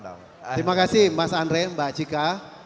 terima kasih mas andre mbak cika